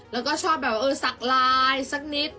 แล้วก็ชอบแบบเออสักลายสักนิด